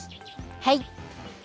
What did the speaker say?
はい。